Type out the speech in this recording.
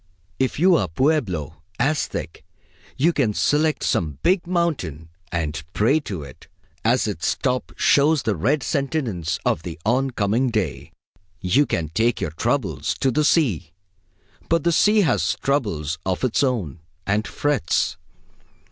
If you are Pueblo, Aztec, you can select some big mountain and pray to it, as its top shows the red sentience of the on coming day. You can take your troubles to the sea; but the sea has troubles of its own, and frets.